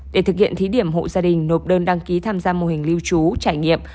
để thực hiện thí điểm hộ gia đình nộp đơn đăng ký tham gia mô hình lưu trú trải nghiệm